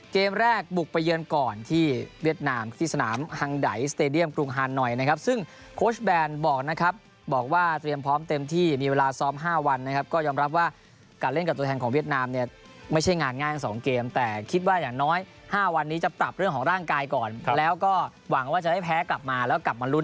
เกมแรกบุกไปเยือนก่อนที่เวียดนามที่สนามฮังไดสเตดียมกรุงฮานหน่อยนะครับซึ่งโค้ชแบนบอกนะครับบอกว่าเตรียมพร้อมเต็มที่มีเวลาซ้อม๕วันนะครับก็ยอมรับว่าการเล่นกับตัวแทนของเวียดนามเนี่ยไม่ใช่งานง่าย๒เกมแต่คิดว่าอย่างน้อย๕วันนี้จะปรับเรื่องของร่างกายก่อนแล้วก็หวังว่าจะได้แพ้กลับมาแล้วกลับมาลุ้น